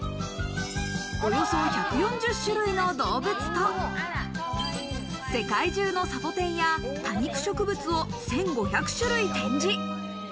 およそ１４０種類の動物と、世界中のサボテンや多肉植物を１５００種類展示。